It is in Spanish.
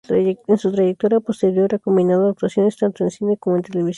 En su trayectoria posterior ha combinado actuaciones tanto en cine como en televisión.